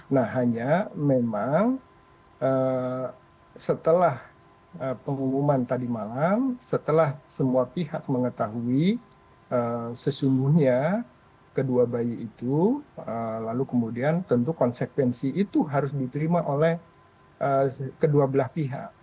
nah hanya memang setelah pengumuman tadi malam setelah semua pihak mengetahui sesungguhnya kedua bayi itu lalu kemudian tentu konsekuensi itu harus diterima oleh kedua belah pihak